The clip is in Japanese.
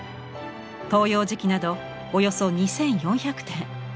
東洋磁器などおよそ２，４００点。